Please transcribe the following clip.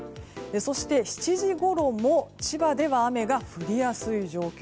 そして７時ごろも千葉では雨が降りやすい状況。